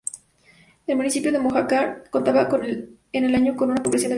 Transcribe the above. El municipio de Mojácar contaba en el año con una población de habitantes.